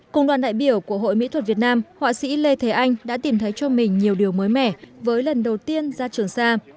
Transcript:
cùng đoàn đại biểu của hội mỹ thuật việt nam họa sĩ lê thế anh đã tìm thấy cho mình nhiều điều mới mẻ với lần đầu tiên ra trường sa